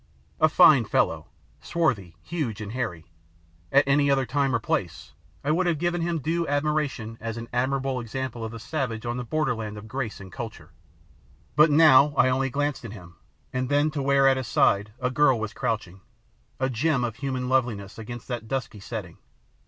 A fine fellow, swarthy, huge, and hairy, at any other time or place I could have given him due admiration as an admirable example of the savage on the borderland of grace and culture, but now I only glanced at him, and then to where at his side a girl was crouching, a gem of human loveliness against that dusky setting.